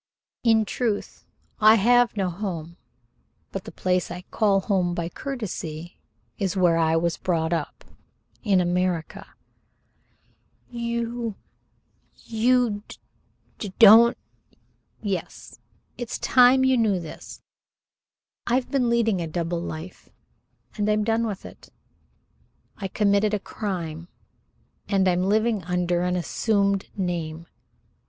"In truth, I have no home, but the place I call home by courtesy is where I was brought up in America." "You you d d don't " "Yes it's time you knew this. I've been leading a double life, and I'm done with it. I committed a crime, and I'm living under an assumed name.